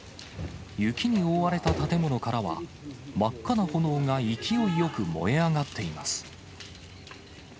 雪に覆われた建物からは、真っ赤な炎が勢いよく燃え上がっています。